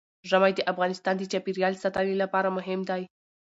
ژمی د افغانستان د چاپیریال ساتنې لپاره مهم دي.